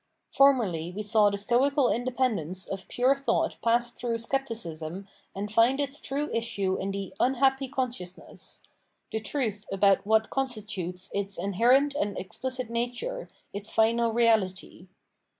Formerly we saw the stoical independence of pure thought pass through Scepticism and find its true issue in the " unhappy consciousness," — the truth about what constitutes its inherent and exphcit nature, its final reahty.